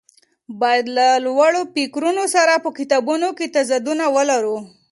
باید د لوړو فکرونو سره په کتابونو کې تضادونه ولري.